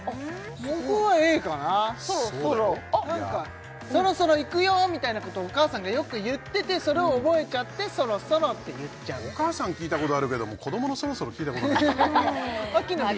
僕はＡかななんか「そろそろ行くよ」みたいなことお母さんがよく言っててそれを覚えちゃって「そろそろ」って言っちゃうお母さん聞いたことあるけども子どものそろそろ聞いたことないアッキーナＢ？